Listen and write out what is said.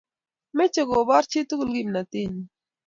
meche koboor chii tugul kimnatenyi